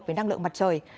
với năng lượng mặt trời